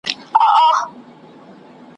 د ستونزو پر وخت د خلاصون موقع ته منتظر سئ.